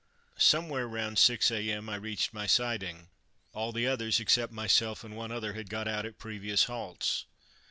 Somewhere round 6 a.m. I reached my siding. All the others, except myself and one other, had got out at previous halts.